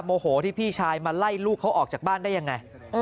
โมโหที่พี่ชายมาไล่ลูกเขาออกจากบ้านได้ยังไง